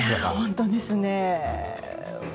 本当ですね。